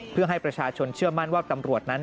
เพื่อให้ประชาชนเชื่อมั่นว่าตำรวจนั้น